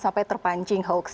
sampai terpancing hoax